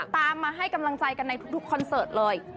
ตามมาให้กำลังใจกันในทุกคอนเสิร์ตเลย